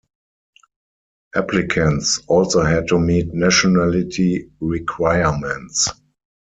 Applicants also had to meet nationality requirements.